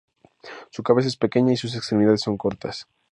Su cabeza es pequeña y sus extremidades son cortas.